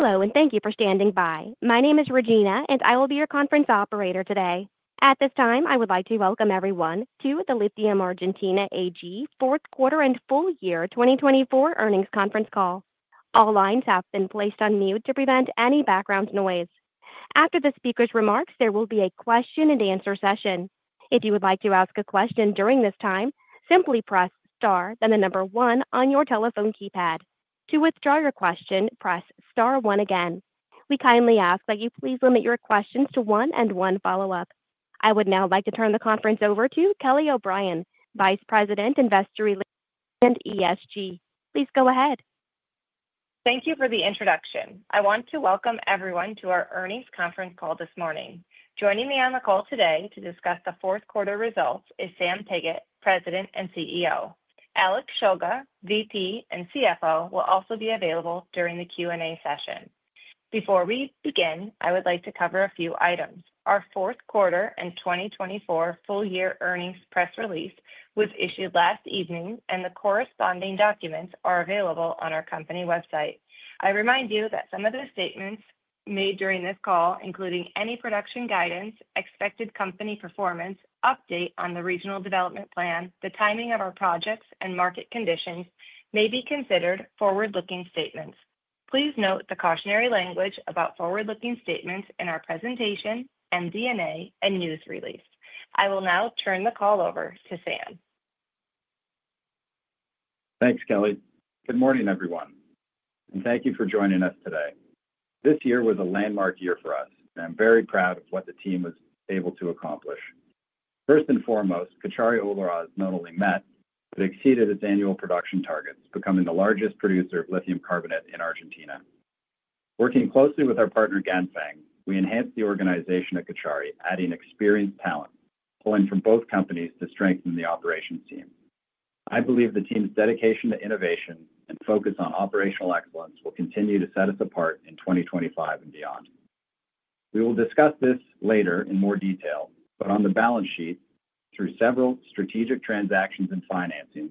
Hello, and thank you for standing by. My name is Regina, and I will be your conference operator today. At this time, I would like to welcome everyone to the Lithium Argentina AG fourth quarter and full year 2024 earnings conference call. All lines have been placed on mute to prevent any background noise. After the speaker's remarks, there will be a question-and-answer session. If you would like to ask a question during this time, simply press star, then the number one on your telephone keypad. To withdraw your question, press star one again. We kindly ask that you please limit your questions to one and one follow-up. I would now like to turn the conference over to Kelly O'Brien, Vice President, Investor Relations, and ESG. Please go ahead. Thank you for the introduction. I want to welcome everyone to our earnings conference call this morning. Joining me on the call today to discuss the fourth quarter results is Sam Pigott, President and CEO. Alex Shulga, VP and CFO, will also be available during the Q&A session. Before we begin, I would like to cover a few items. Our fourth quarter and 2024 full year earnings press release was issued last evening, and the corresponding documents are available on our company website. I remind you that some of the statements made during this call, including any production guidance, expected company performance, update on the regional development plan, the timing of our projects, and market conditions, may be considered forward-looking statements. Please note the cautionary language about forward-looking statements in our presentation, MD&A, and news release. I will now turn the call over to Sam. Thanks, Kelly. Good morning, everyone, and thank you for joining us today. This year was a landmark year for us, and I'm very proud of what the team was able to accomplish. First and foremost, Caucharí-Olaroz not only met but exceeded its annual production targets, becoming the largest producer of lithium carbonate in Argentina. Working closely with our partner, Ganfeng, we enhanced the organization at Caucharí, adding experienced talent, pulling from both companies to strengthen the operations team. I believe the team's dedication to innovation and focus on operational excellence will continue to set us apart in 2025 and beyond. We will discuss this later in more detail, but on the balance sheet, through several strategic transactions and financing,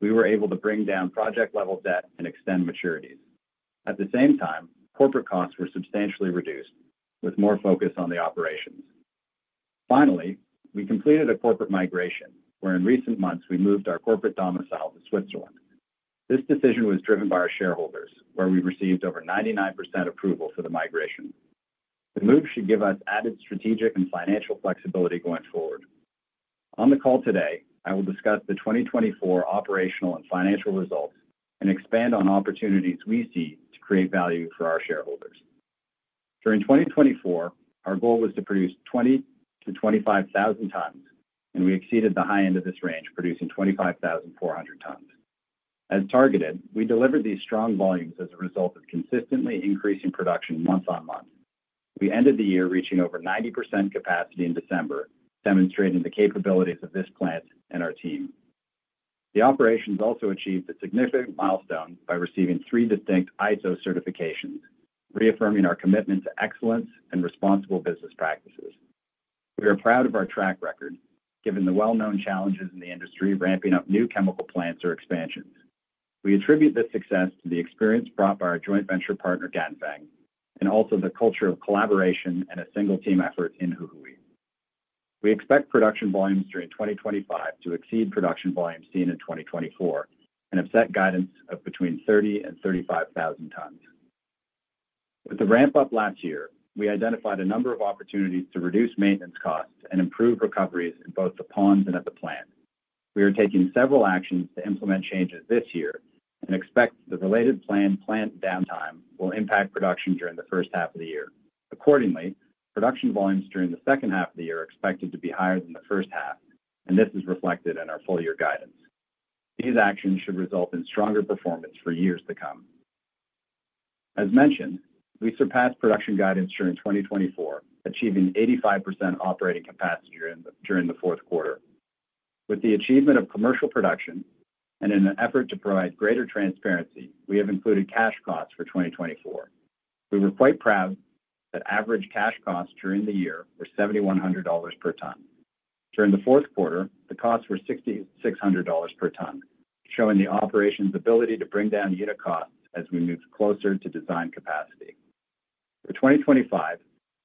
we were able to bring down project-level debt and extend maturities. At the same time, corporate costs were substantially reduced, with more focus on the operations. Finally, we completed a corporate migration, where in recent months we moved our corporate domicile to Switzerland. This decision was driven by our shareholders, where we received over 99% approval for the migration. The move should give us added strategic and financial flexibility going forward. On the call today, I will discuss the 2024 operational and financial results and expand on opportunities we see to create value for our shareholders. During 2024, our goal was to produce 20,000-25,000 tons, and we exceeded the high end of this range, producing 25,400 tons. As targeted, we delivered these strong volumes as a result of consistently increasing production month on month. We ended the year reaching over 90% capacity in December, demonstrating the capabilities of this plant and our team. The operations also achieved a significant milestone by receiving three distinct ISO certifications, reaffirming our commitment to excellence and responsible business practices. We are proud of our track record, given the well-known challenges in the industry ramping up new chemical plants or expansions. We attribute this success to the experience brought by our joint venture partner, Ganfeng, and also the culture of collaboration and a single-team effort in Jujuy. We expect production volumes during 2025 to exceed production volumes seen in 2024 and have set guidance of between 30,000 and 35,000 tons. With the ramp-up last year, we identified a number of opportunities to reduce maintenance costs and improve recoveries in both the ponds and at the plant. We are taking several actions to implement changes this year and expect the related planned plant downtime will impact production during the first half of the year. Accordingly, production volumes during the second half of the year are expected to be higher than the first half, and this is reflected in our full-year guidance. These actions should result in stronger performance for years to come. As mentioned, we surpassed production guidance during 2024, achieving 85% operating capacity during the fourth quarter. With the achievement of commercial production and in an effort to provide greater transparency, we have included cash costs for 2024. We were quite proud that average cash costs during the year were $7,100 per ton. During the fourth quarter, the costs were $6,600 per ton, showing the operation's ability to bring down unit costs as we move closer to design capacity. For 2025,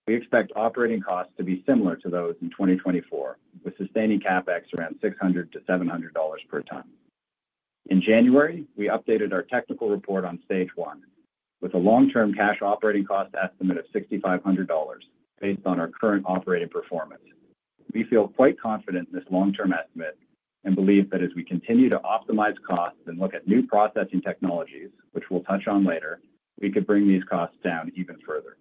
we expect operating costs to be similar to those in 2024, with sustaining CapEx around $600-$700 per ton. In January, we updated our technical report on Stage 1 with a long-term cash operating cost estimate of $6,500 based on our current operating performance. We feel quite confident in this long-term estimate and believe that as we continue to optimize costs and look at new processing technologies, which we'll touch on later, we could bring these costs down even further.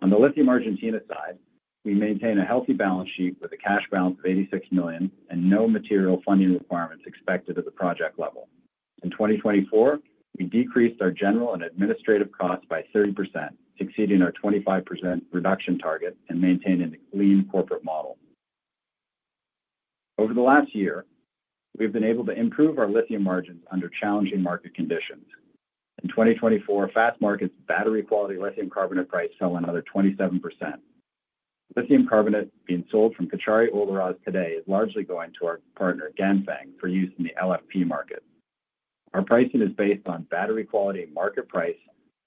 On the Lithium Argentina side, we maintain a healthy balance sheet with a cash balance of $86 million and no material funding requirements expected at the project level. In 2024, we decreased our general and administrative costs by 30%, exceeding our 25% reduction target and maintaining the clean corporate model. Over the last year, we have been able to improve our lithium margins under challenging market conditions. In 2024, Fastmarkets' battery-quality lithium carbonate price fell another 27%. Lithium carbonate being sold from Caucharí-Olaroz today is largely going to our partner, Ganfeng, for use in the LFP market. Our pricing is based on battery quality and market price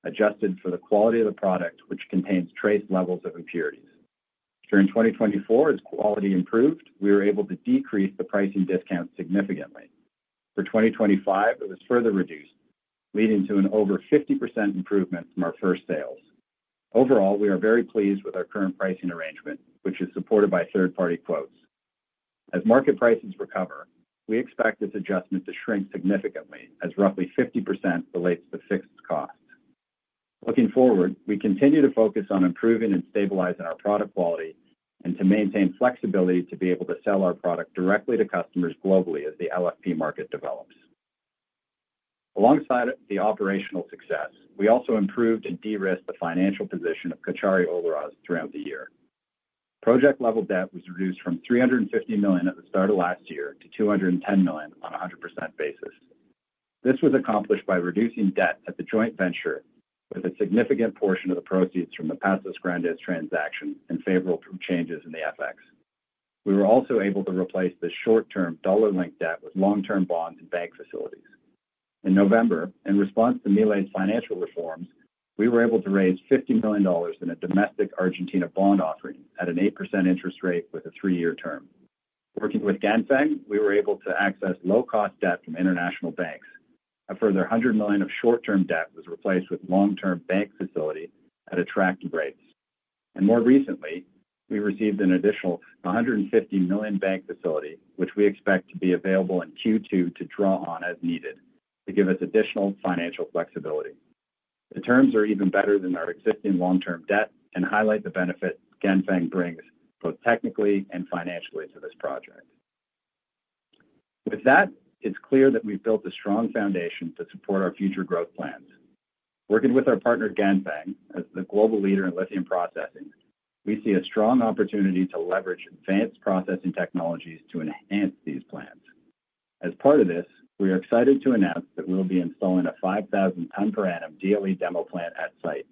adjusted for the quality of the product, which contains trace levels of impurities. During 2024, as quality improved, we were able to decrease the pricing discount significantly. For 2025, it was further reduced, leading to an over 50% improvement from our first sales. Overall, we are very pleased with our current pricing arrangement, which is supported by third-party quotes. As market prices recover, we expect this adjustment to shrink significantly, as roughly 50% relates to fixed costs. Looking forward, we continue to focus on improving and stabilizing our product quality and to maintain flexibility to be able to sell our product directly to customers globally as the LFP market develops. Alongside the operational success, we also improved and de-risked the financial position of Caucharí-Olaroz throughout the year. Project-level debt was reduced from $350 million at the start of last year to $210 million on a 100% basis. This was accomplished by reducing debt at the joint venture with a significant portion of the proceeds from the Pastos Grandes transaction and favorable changes in the FX. We were also able to replace the short-term dollar-linked debt with long-term bonds and bank facilities. In November, in response to Milei's financial reforms, we were able to raise $50 million in a domestic Argentina bond offering at an 8% interest rate with a three-year term. Working with Ganfeng, we were able to access low-cost debt from international banks. A further $100 million of short-term debt was replaced with long-term bank facility at attractive rates. More recently, we received an additional $150 million bank facility, which we expect to be available in Q2 to draw on as needed to give us additional financial flexibility. The terms are even better than our existing long-term debt and highlight the benefit Ganfeng brings both technically and financially to this project. With that, it's clear that we've built a strong foundation to support our future growth plans. Working with our partner, Ganfeng, as the global leader in lithium processing, we see a strong opportunity to leverage advanced processing technologies to enhance these plants. As part of this, we are excited to announce that we will be installing a 5,000-ton-per-annum DLE demo plant at site.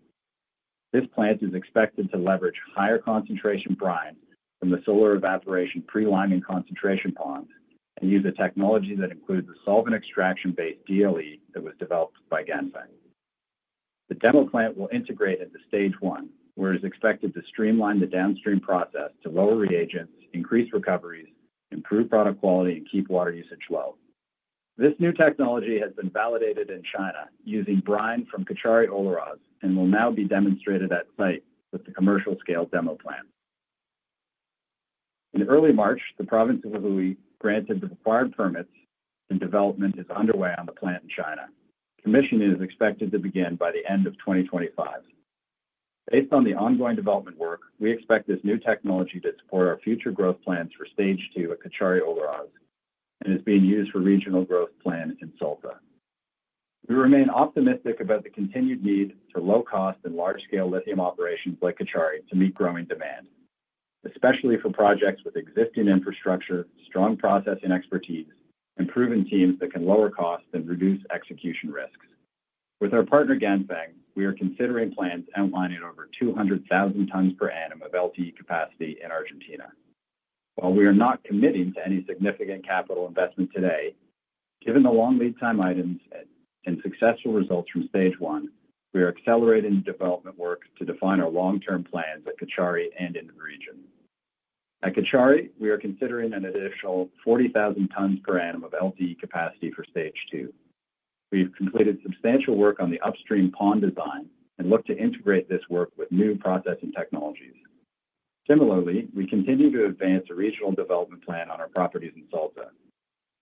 This plant is expected to leverage higher concentration brine from the solar evaporation pre-liming concentration ponds and use a technology that includes a solvent extraction-based DLE that was developed by Ganfeng. The demo plant will integrate into Stage 1, where it is expected to streamline the downstream process to lower reagents, increase recoveries, improve product quality, and keep water usage low. This new technology has been validated in China using brine from Caucharí-Olaroz and will now be demonstrated at site with the commercial-scale demo plant. In early March, the province of Jujuy granted the required permits, and development is underway on the plant in China. Commissioning is expected to begin by the end of 2025. Based on the ongoing development work, we expect this new technology to support our future growth plans for Stage 2 at Caucharí-Olaroz and is being used for regional growth plan in Salta. We remain optimistic about the continued need for low-cost and large-scale lithium operations like Caucharí to meet growing demand, especially for projects with existing infrastructure, strong processing expertise, and proven teams that can lower costs and reduce execution risks. With our partner, Ganfeng, we are considering plans outlining over 200,000 tons per annum of lithium carbonate equivalent capacity in Argentina. While we are not committing to any significant capital investment today, given the long lead time items and successful results from Stage 1, we are accelerating development work to define our long-term plans at Caucharí and in the region. At Caucharí, we are considering an additional 40,000 tons per annum of lithium carbonate equivalent capacity for Stage 2. We have completed substantial work on the upstream pond design and look to integrate this work with new processing technologies. Similarly, we continue to advance a regional development plan on our properties in Salta.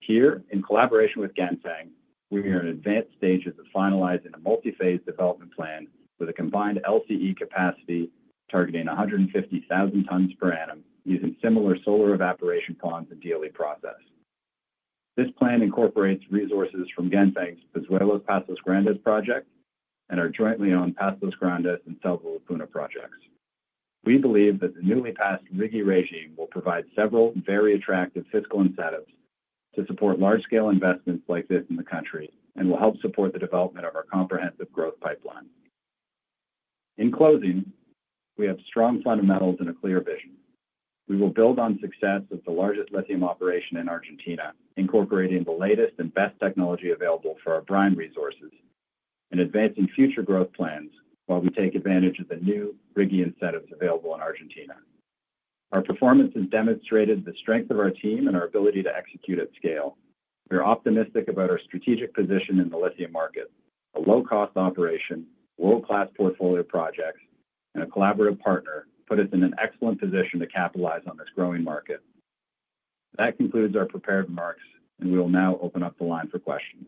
Here, in collaboration with Ganfeng, we are in advanced stages of finalizing a multi-phase development plan with a combined DLE capacity targeting 150,000 tons per annum using similar solar evaporation ponds and DLE process. This plan incorporates resources from Ganfeng's Pastos Grandes project and our jointly owned Pastos Grandes and Sal de la Puna projects. We believe that the newly passed RIGI regime will provide several very attractive fiscal incentives to support large-scale investments like this in the country and will help support the development of our comprehensive growth pipeline. In closing, we have strong fundamentals and a clear vision. We will build on success as the largest lithium operation in Argentina, incorporating the latest and best technology available for our brine resources and advancing future growth plans while we take advantage of the new RIGI incentives available in Argentina. Our performance has demonstrated the strength of our team and our ability to execute at scale. We are optimistic about our strategic position in the lithium market. A low-cost operation, world-class portfolio projects, and a collaborative partner put us in an excellent position to capitalize on this growing market. That concludes our prepared remarks, and we will now open up the line for questions.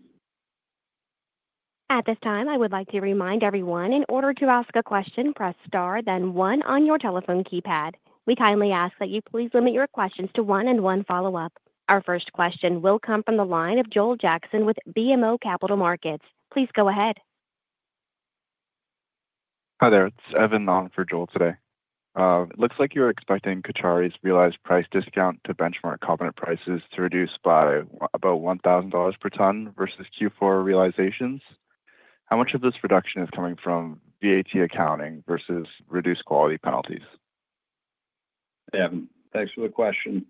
At this time, I would like to remind everyone in order to ask a question, press star, then one on your telephone keypad. We kindly ask that you please limit your questions to one and one follow-up. Our first question will come from the line of Joel Jackson with BMO Capital Markets. Please go ahead. Hi there. It's Evan on for Joel today. It looks like you're expecting Caucharí's realized price discount to benchmark carbonate prices to reduce by about $1,000 per ton versus Q4 realizations. How much of this reduction is coming from VAT accounting versus reduced quality penalties? Evan, thanks for the question.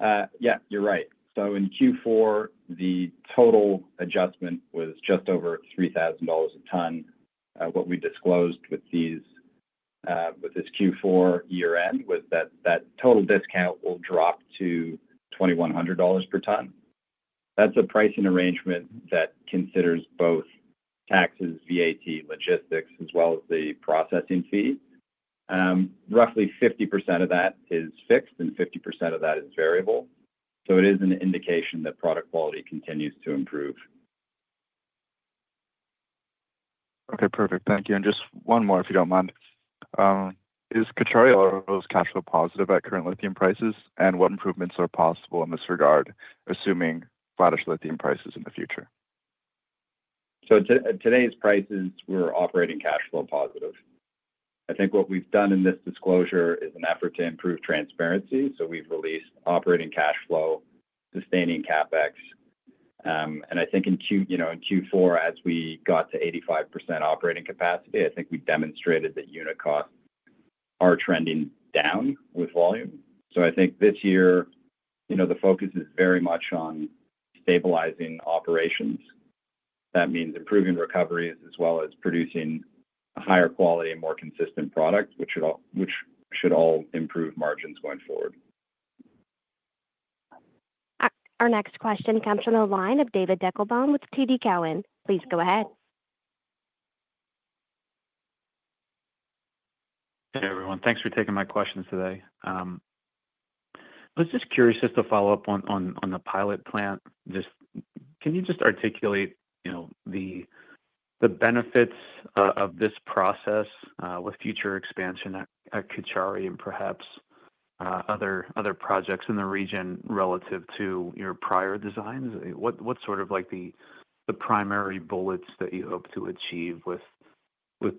Yeah, you're right. In Q4, the total adjustment was just over $3,000 a ton. What we disclosed with this Q4 year-end was that that total discount will drop to $2,100 per ton. That's a pricing arrangement that considers both taxes, VAT, logistics, as well as the processing fee. Roughly 50% of that is fixed and 50% of that is variable. It is an indication that product quality continues to improve. Okay, perfect. Thank you. Just one more, if you don't mind. Is Caucharí-Olaroz cash flow positive at current lithium prices, and what improvements are possible in this regard, assuming flattish lithium prices in the future? Today's prices were operating cash flow positive. I think what we've done in this disclosure is an effort to improve transparency. We've released operating cash flow, sustaining CapEx. I think in Q4, as we got to 85% operating capacity, we demonstrated that unit costs are trending down with volume. I think this year, the focus is very much on stabilizing operations. That means improving recoveries as well as producing a higher quality and more consistent product, which should all improve margins going forward. Our next question comes from the line of David Deckelbaum with TD Cowen. Please go ahead. Hey, everyone. Thanks for taking my questions today. I was just curious just to follow up on the pilot plant. Can you just articulate the benefits of this process with future expansion at Caucharí and perhaps other projects in the region relative to your prior designs? What sort of the primary bullets that you hope to achieve with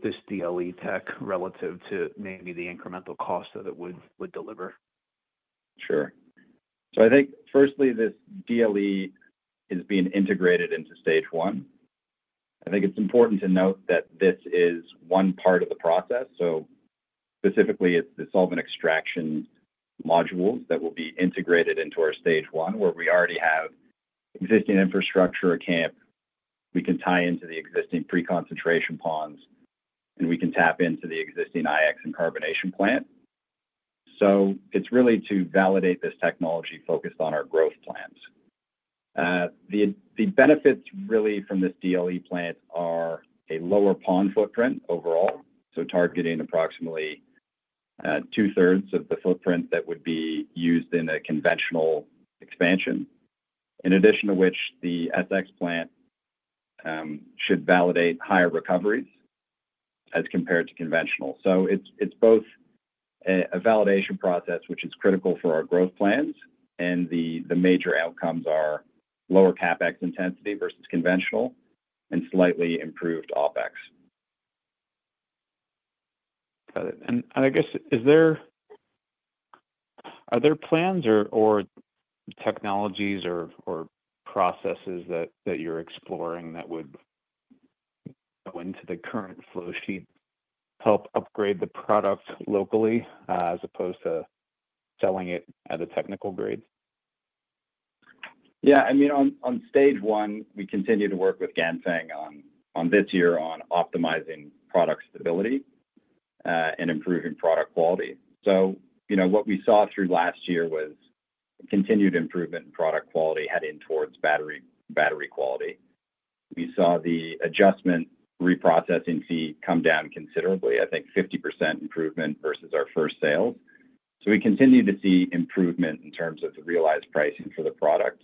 this DLE tech relative to maybe the incremental cost that it would deliver? Sure. I think, firstly, this DLE is being integrated into Stage 1. I think it's important to note that this is one part of the process. Specifically, it's the solvent extraction modules that will be integrated into our Stage 1 where we already have existing infrastructure or camp. We can tie into the existing pre-concentration ponds, and we can tap into the existing IX and carbonation plant. It's really to validate this technology focused on our growth plans. The benefits really from this DLE plant are a lower pond footprint overall, so targeting approximately two-thirds of the footprint that would be used in a conventional expansion, in addition to which the DLE plant should validate higher recoveries as compared to conventional. It is both a validation process, which is critical for our growth plans, and the major outcomes are lower CapEx intensity versus conventional and slightly improved OpEx. Got it. I guess, are there plans or technologies or processes that you're exploring that would go into the current flowsheet to help upgrade the product locally as opposed to selling it at a technical grade? Yeah. I mean, on Stage 1, we continue to work with Ganfeng this year on optimizing product stability and improving product quality. What we saw through last year was continued improvement in product quality heading towards battery quality. We saw the adjustment reprocessing fee come down considerably, I think 50% improvement versus our first sales. We continue to see improvement in terms of the realized pricing for the product.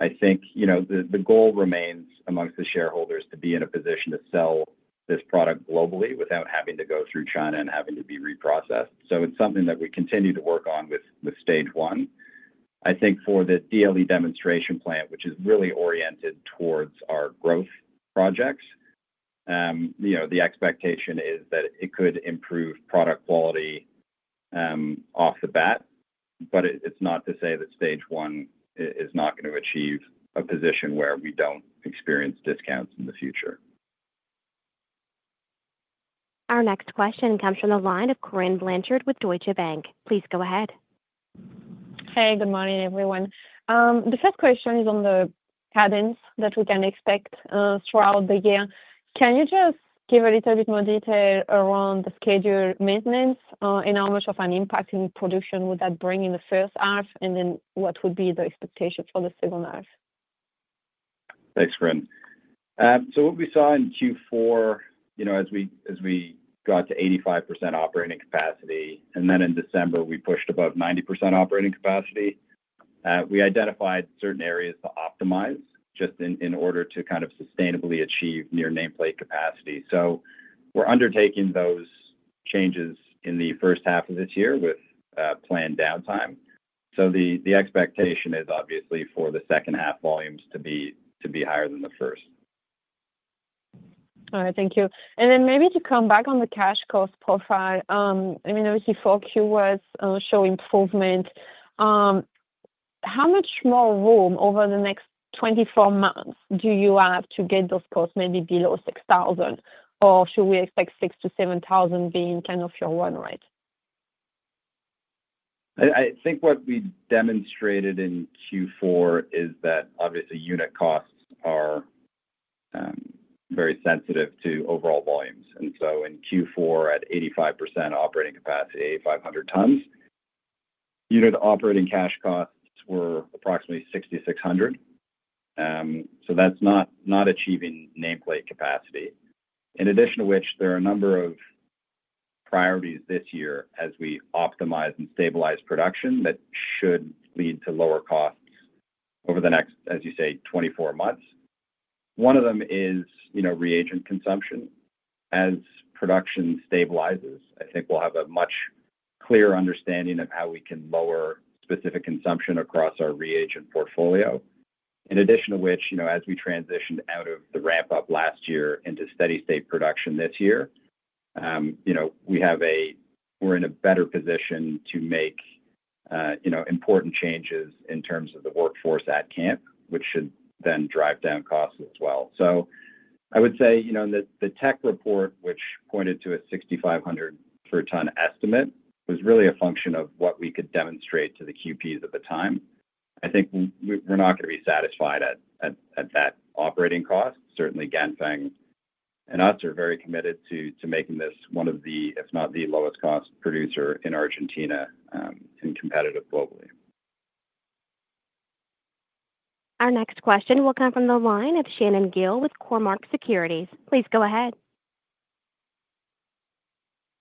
I think the goal remains amongst the shareholders to be in a position to sell this product globally without having to go through China and having to be reprocessed. It is something that we continue to work on with Stage 1. I think for the DLE demonstration plant, which is really oriented towards our growth projects, the expectation is that it could improve product quality off the bat. It's not to say that Stage 1 is not going to achieve a position where we don't experience discounts in the future. Our next question comes from the line of Corinne Blanchard with Deutsche Bank. Please go ahead. Hey, good morning, everyone. The first question is on the cadence that we can expect throughout the year. Can you just give a little bit more detail around the schedule maintenance and how much of an impact in production would that bring in the first half, and then what would be the expectations for the second half? Thanks, Corinne. What we saw in Q4, as we got to 85% operating capacity, and then in December, we pushed above 90% operating capacity, we identified certain areas to optimize just in order to kind of sustainably achieve near nameplate capacity. We are undertaking those changes in the first half of this year with planned downtime. The expectation is obviously for the second half volumes to be higher than the first. All right. Thank you. And then maybe to come back on the cash cost profile, I mean, obviously, for Q1, show improvement. How much more room over the next 24 months do you have to get those costs maybe below $6,000, or should we expect $6,000-$7,000 being kind of your one rate? I think what we demonstrated in Q4 is that, obviously, unit costs are very sensitive to overall volumes. In Q4, at 85% operating capacity, 500 tons, unit operating cash costs were approximately $6,600. That is not achieving nameplate capacity. In addition to which, there are a number of priorities this year as we optimize and stabilize production that should lead to lower costs over the next, as you say, 24 months. One of them is reagent consumption. As production stabilizes, I think we will have a much clearer understanding of how we can lower specific consumption across our reagent portfolio. In addition to which, as we transitioned out of the ramp-up last year into steady-state production this year, we are in a better position to make important changes in terms of the workforce at camp, which should then drive down costs as well. I would say the tech report, which pointed to a $6,500 per ton estimate, was really a function of what we could demonstrate to the QPs at the time. I think we're not going to be satisfied at that operating cost. Certainly, Ganfeng and us are very committed to making this one of the, if not the lowest-cost producer in Argentina and competitive globally. Our next question will come from the line of Shannon Gill with Cormark Securities. Please go ahead.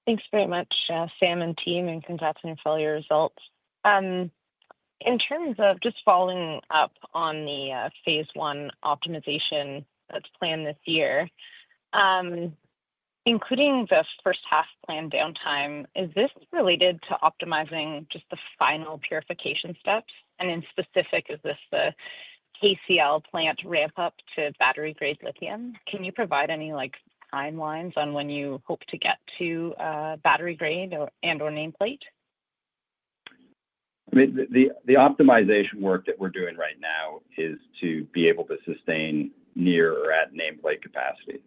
Thanks very much, Sam and team, and congrats on your full year results. In terms of just following up on the phase one optimization that's planned this year, including the first half planned downtime, is this related to optimizing just the final purification steps? In specific, is this the KCl plant ramp-up to battery-grade lithium? Can you provide any timelines on when you hope to get to battery-grade and/or nameplate? I mean, the optimization work that we're doing right now is to be able to sustain near or at nameplate capacity.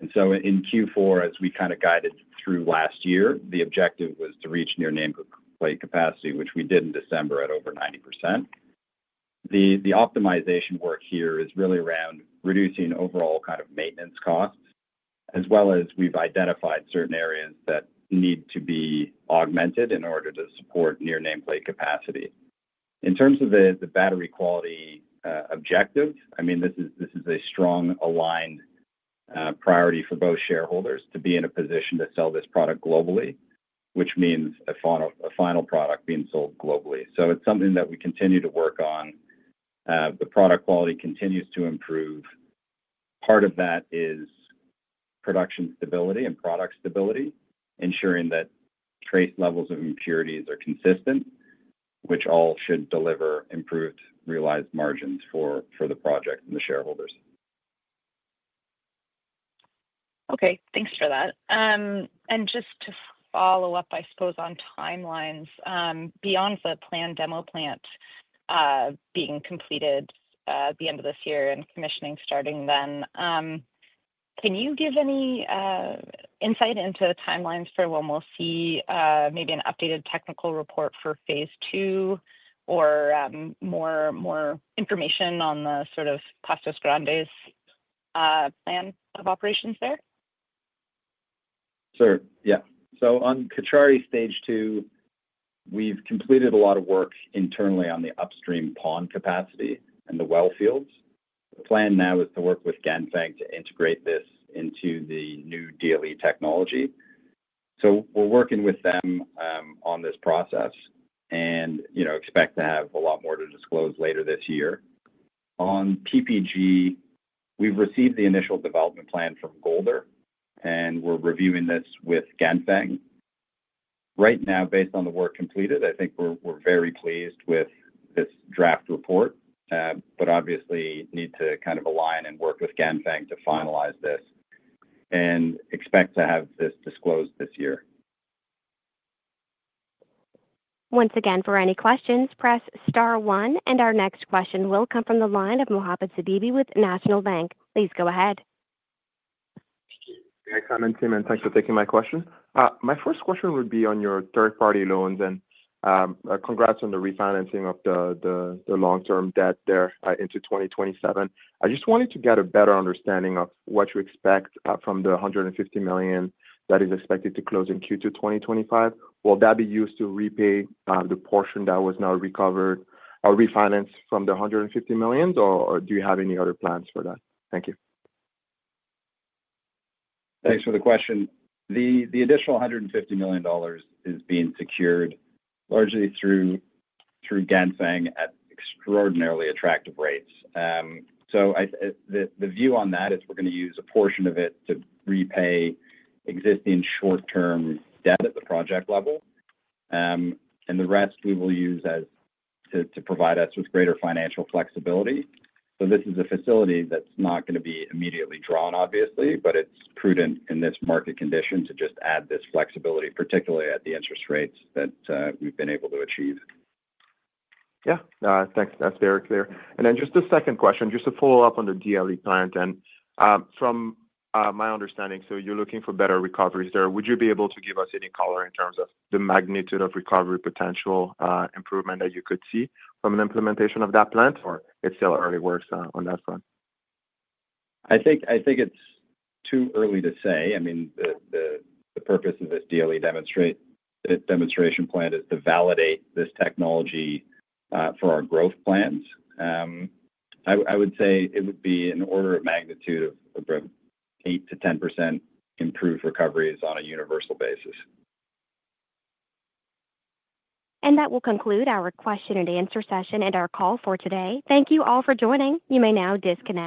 In Q4, as we kind of guided through last year, the objective was to reach near nameplate capacity, which we did in December at over 90%. The optimization work here is really around reducing overall kind of maintenance costs, as well as we've identified certain areas that need to be augmented in order to support near nameplate capacity. In terms of the battery quality objective, I mean, this is a strong aligned priority for both shareholders to be in a position to sell this product globally, which means a final product being sold globally. It is something that we continue to work on. The product quality continues to improve. Part of that is production stability and product stability, ensuring that trace levels of impurities are consistent, which all should deliver improved realized margins for the project and the shareholders. Okay. Thanks for that. Just to follow up, I suppose, on timelines, beyond the planned demo plant being completed at the end of this year and commissioning starting then, can you give any insight into timelines for when we'll see maybe an updated technical report for phase two or more information on the sort of Pastos Grandes plan of operations there? Sure. Yeah. On Caucharí Stage 2, we've completed a lot of work internally on the upstream pond capacity and the well fields. The plan now is to work with Ganfeng to integrate this into the new DLE technology. We are working with them on this process and expect to have a lot more to disclose later this year. On PPG, we've received the initial development plan from Golder, and we're reviewing this with Ganfeng. Right now, based on the work completed, I think we're very pleased with this draft report, but obviously need to kind of align and work with Ganfeng to finalize this and expect to have this disclosed this year. Once again, for any questions, press star one, and our next question will come from the line of Mohamed Sidibe with National Bank. Please go ahead. Can I come in, Sam, and thanks for taking my question. My first question would be on your third-party loans, and congrats on the refinancing of the long-term debt there into 2027. I just wanted to get a better understanding of what you expect from the $150 million that is expected to close in Q2 2025. Will that be used to repay the portion that was now recovered or refinanced from the $150 million, or do you have any other plans for that? Thank you. Thanks for the question. The additional $150 million is being secured largely through Ganfeng at extraordinarily attractive rates. The view on that is we're going to use a portion of it to repay existing short-term debt at the project level. The rest we will use to provide us with greater financial flexibility. This is a facility that's not going to be immediately drawn, obviously, but it's prudent in this market condition to just add this flexibility, particularly at the interest rates that we've been able to achieve. Yeah. That's very clear. Just a second question, just to follow up on the DLE plan. From my understanding, you're looking for better recoveries there. Would you be able to give us any color in terms of the magnitude of recovery potential improvement that you could see from an implementation of that plant, or it's still early works on that front? I think it's too early to say. I mean, the purpose of this DLE demonstration plan is to validate this technology for our growth plans. I would say it would be an order of magnitude of 8%-10% improved recoveries on a universal basis. That will conclude our question and answer session and our call for today. Thank you all for joining. You may now disconnect.